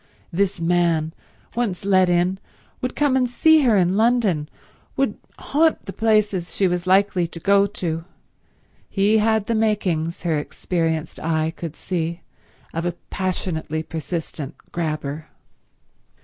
This man, once let in, would come and see her in London, would haunt the places she was likely to go to. He had the makings, her experienced eye could see, of a passionately persistent grabber.